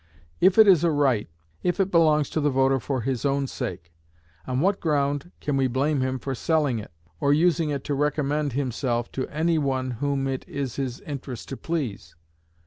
If it is a right, if it belongs to the voter for his own sake, on what ground can we blame him for selling it, or using it to recommend himself to any one whom it is his interest to please?